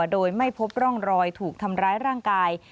โดยไม่พบร่องรอยถูกทำร้ายร่างกาย